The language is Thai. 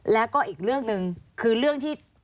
แล้วก็อีกเรื่องหนึ่งคือเรื่องที่